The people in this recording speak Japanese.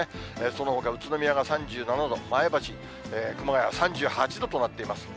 そのほか宇都宮が３７度、前橋、熊谷３８度となっています。